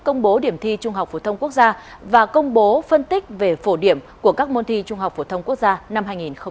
công bố điểm thi trung học phổ thông quốc gia và công bố phân tích về phổ điểm của các môn thi trung học phổ thông quốc gia năm hai nghìn một mươi chín